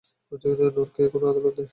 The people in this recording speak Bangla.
নরকে কোন আদালত নেই!